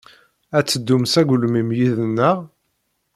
Ad teddum s agelmim yid-nneɣ?